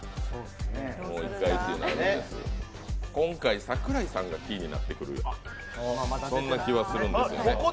今回、桜井さんがキーになってくるようなそんな気がするんですよね。